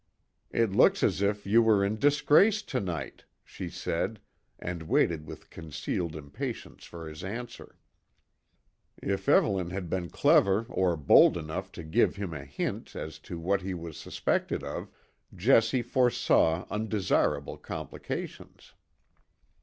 "It looks as if you were in disgrace to night," she said, and waited with concealed impatience for his answer. If Evelyn had been clever or bold enough to give him a hint as to what he was suspected of, Jessie foresaw undesirable complications.